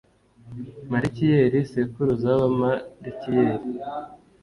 malikiyeli sekuruza w’abamalikiyeli.